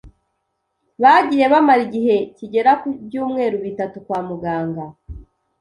bagiye bamara igihe kigera ku byumweru bitatu kwa muganga.